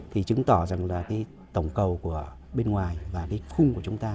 thì chứng tỏ rằng là cái tổng cầu của bên ngoài và cái khung của chúng ta